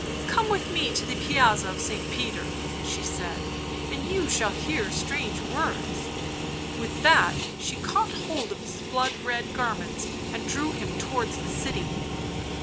" Come with me to the Piazza of St. Peter," she said, " and you shall hear strange words." With that she caught hold of his blood red garments and drew him towards the city.